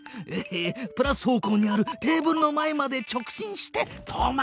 プラス方向にあるテーブルの前まで直進して止まる！